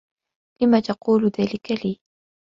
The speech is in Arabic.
لم تقول ذلك لي؟